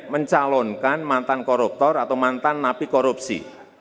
mencalonkan mantan koruptor atau mantan napi korupsi